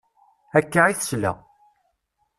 Akka i tesla.